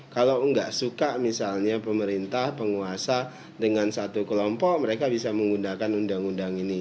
kalau nggak suka misalnya pemerintah penguasa dengan satu kelompok mereka bisa menggunakan undang undang ini